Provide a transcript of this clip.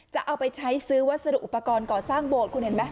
จะเอาไปใช้ซื้อวัสดุอุปกรณ์ก่อสร้างโบสถ์คุณเห็นไหม